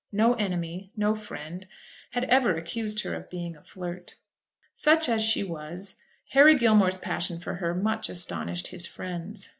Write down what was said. No enemy, no friend, had ever accused her of being a flirt. Such as she was, Harry Gilmore's passion for her much astonished his friends.